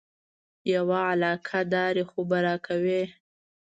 یوه علاقه داري خو به راکوې.